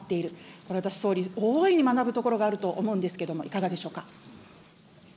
これ、私、総理、大いに学ぶところがあると思うんですけども、いかがでしょうか。